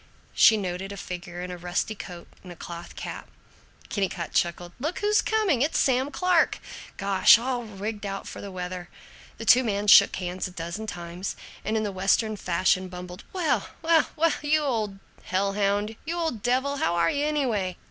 She noted a figure in a rusty coat and a cloth cap. Kennicott chuckled, "Look who's coming! It's Sam Clark! Gosh, all rigged out for the weather." The two men shook hands a dozen times and, in the Western fashion, bumbled, "Well, well, well, well, you old hell hound, you old devil, how are you, anyway?